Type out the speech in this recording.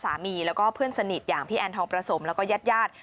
สามีแล้วก็เพื่อนสนิทอย่างพี่แอนทองประสมแล้วก็ญาติญาติ